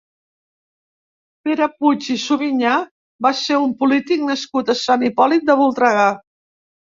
Pere Puig i Subinyà va ser un polític nascut a Sant Hipòlit de Voltregà.